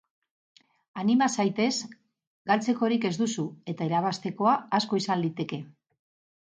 Anima zaitez, galtzekorik ez duzu eta irabaztekoa asko izan liteke.